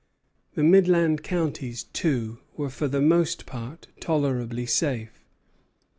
The midland counties, too, were for the most part tolerably safe.